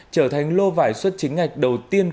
trở thành lô vải xuất chính ngạch đầu tiên